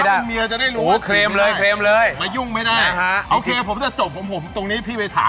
เดี๋ยวหลายคนคิดว่าเป็นแฟนมาแอบจีบไม่ได้